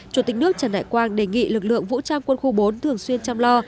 chủ tịch nước trần đại quang đề nghị lực lượng vũ trang quân khu bốn thường xuyên chăm lo